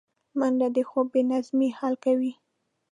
منډه د خوب بې نظمۍ حل کوي